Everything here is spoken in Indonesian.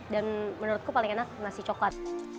dan menurutku paling enak nasi coklat